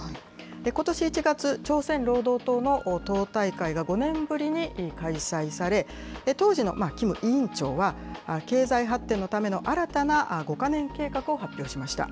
ことし１月、朝鮮労働党の党大会が５年ぶりに開催され、当時のキム委員長は、経済発展のための新たな５か年計画を発表しました。